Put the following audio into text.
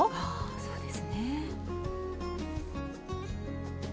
そうですね。